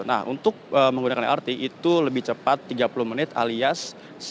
nah untuk menggunakan lrt itu lebih cepat tiga puluh menit alias